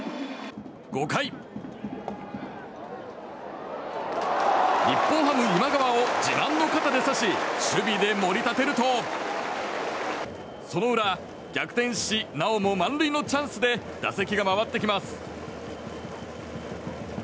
５回、日本ハム、今川を自慢の方で刺し守備で盛り立てるとその裏、逆転しなおも満塁のチャンスで打席が回ってきます。